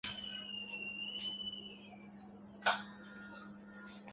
একই বছর "পাকিস্তান টাইমস" বন্ধ করে দেওয়া হয়েছিল।